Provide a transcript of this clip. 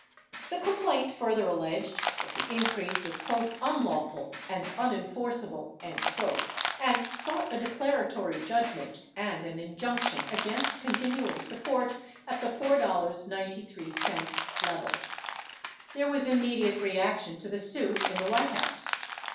The complaint further alleged that the increase was "unlawful and unenforceable," and sought a declaratory judgment and an injunction against continuing support at the $4.93 level. 46 There was immediate reaction to the suit in the White House.